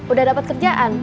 udah dapet kerjaan